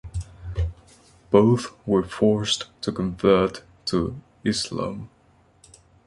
Both were forced to convert to Islam.